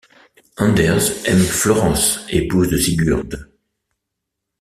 Anders aime Florence, épouse de Sigurd.